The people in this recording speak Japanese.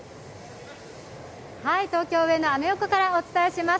東京・上野、アメ横からお伝えします。